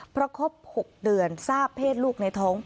เพราะครบ๖เดือนทราบเพศลูกในท้อง